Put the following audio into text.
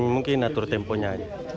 mungkin atur temponya